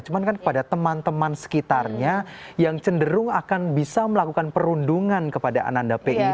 cuma kan kepada teman teman sekitarnya yang cenderung akan bisa melakukan perundungan kepada ananda pi